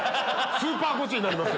スーパーゴチになります！